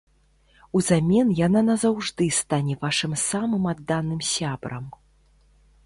Узамен яна назаўжды стане вашым самым адданым сябрам.